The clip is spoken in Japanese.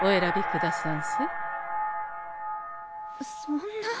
そんな。